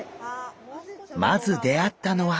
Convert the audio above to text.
まず出会ったのは。